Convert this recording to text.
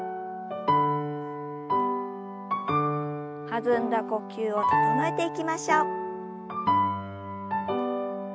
弾んだ呼吸を整えていきましょう。